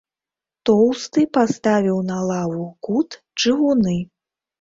Тоўсты паставіў на лаву ў кут чыгуны.